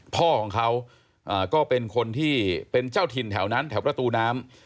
พ่อของเขาก็เป็นคนที่เป็นเจ้าถิ่นแถวนั้นแถวประตูน้ำ